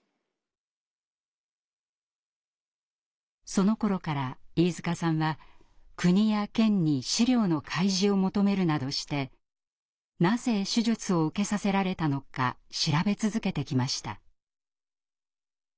そのころから飯塚さんは国や県に資料の開示を求めるなどしてなぜ手術を受けさせられたのか調べ続けてきました。